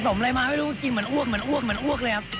ผสมอะไรมาไม่รู้กินเหมือนอ้วกเลยครับ